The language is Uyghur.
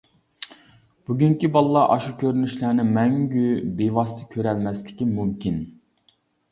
بۈگۈنكى بالىلار ئاشۇ كۆرۈنۈشلەرنى مەڭگۈ بىۋاسىتە كۆرەلمەسلىكى مۇمكىن.